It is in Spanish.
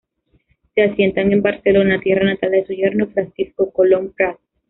Se asientan en Barcelona, tierra natal de su yerno Francisco Colom Prat.